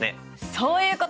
そういうこと！